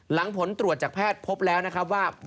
หลังผลตรวจจากแพทย์พบแล้วว่า